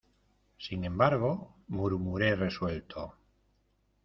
sin embargo, murmuré resuelto: